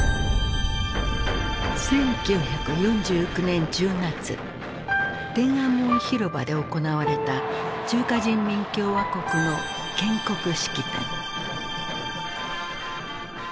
１９４９年１０月天安門広場で行われた中華人民共和国の建国式典。